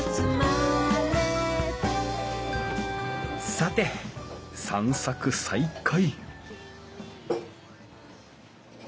さて散策再開